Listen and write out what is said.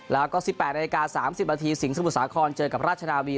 แล้วก็๑๘นาฬิกา๓๐นาทีสิงสมุทรสาครเจอกับราชนาวี